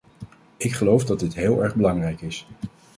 Ik geloof dat dit heel erg belangrijk is.